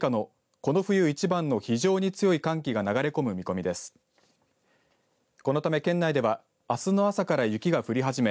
このため県内ではあすの朝から雪が降り始め